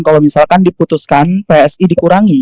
kalau misalkan diputuskan psi dikurangi